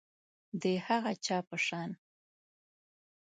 د هغه چا په شان